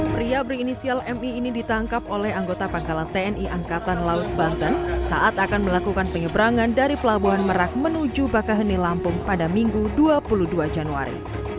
pria berinisial mi ini ditangkap oleh anggota pangkalan tni angkatan laut banten saat akan melakukan penyeberangan dari pelabuhan merak menuju bakaheni lampung pada minggu dua puluh dua januari